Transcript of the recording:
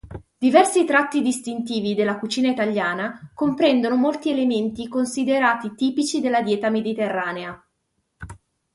Diversi tratti distintivi della cucina italiana comprendono molti elementi considerati tipici della dieta mediterranea.